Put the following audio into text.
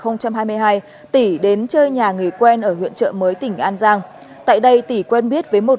năm hai nghìn hai mươi hai tỉ đến chơi nhà người quen ở huyện trợ mới tỉnh an giang tại đây tỉ quen biết với một